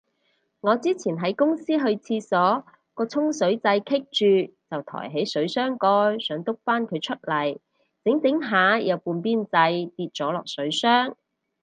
我之前喺公司去廁所，個沖水掣棘住就抬起水箱蓋想篤返佢出嚟，整整下有半邊掣跌咗落水箱